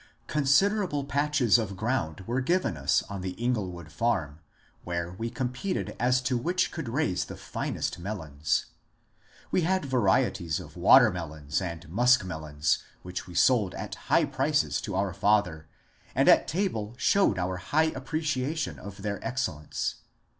Considerable patches of ground were given us on the Inglewood farm, where we competed as to which could raise the finest melons. We had varieties of watermelons and ^^ muskmelons '^ which we sold at high prices to our father, and at table showed our high ap preciation of their excellence.